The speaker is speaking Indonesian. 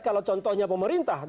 kalau contohnya pemerintah